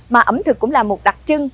mà ẩm thực cũng là một đặc trưng